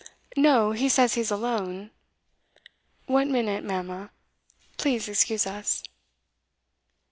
'No; he says he's alone. One minute, mamma; please excuse us.